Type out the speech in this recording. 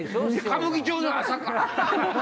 歌舞伎町の朝か！